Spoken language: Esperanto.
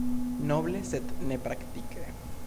Noble, sed nepraktike.